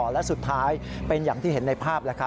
และสุดท้ายเป็นอย่างที่เห็นในภาพ